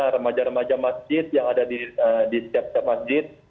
remaja remaja masjid yang ada di siap siap masjid